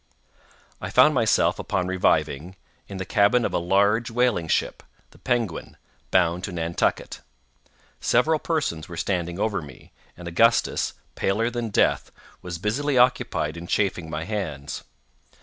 I found myself, upon reviving, in the cabin of a large whaling ship (the Penguin) bound to Nantucket. Several persons were standing over me, and Augustus, paler than death, was busily occupied in chafing my hands.